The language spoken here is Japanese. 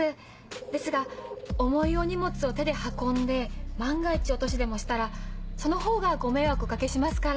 ですが重いお荷物を手で運んで万が一落としでもしたらそのほうがご迷惑をお掛けしますから。